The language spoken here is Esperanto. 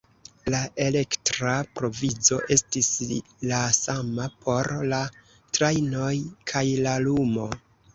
La elektra provizo estis la sama por la trajnoj kaj la lumo.